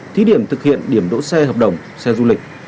thí điểm thực hiện điểm đỗ xe hợp đồng xe du lịch